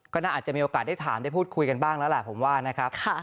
ก็น่าจะมีโอกาสได้ถามได้พูดคุยกันบ้างแล้วแหละผมว่านะครับ